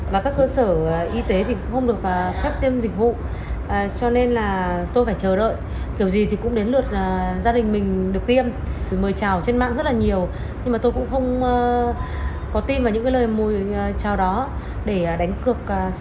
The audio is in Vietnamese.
và những thành phần đó